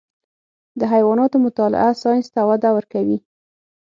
د حیواناتو مطالعه ساینس ته وده ورکوي.